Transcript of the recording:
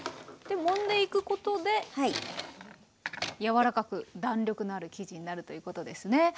もんでいくことで柔らかく弾力のある生地になるということですね。